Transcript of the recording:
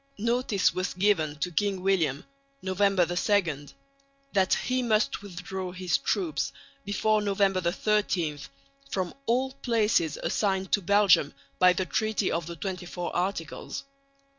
Notice was given to King William (November 2) that he must withdraw his troops before November 13 from all places assigned to Belgium by the Treaty of the XXIV Articles.